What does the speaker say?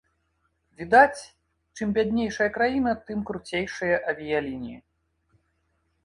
Відаць, чым бяднейшая краіна тым круцейшыя авіялініі.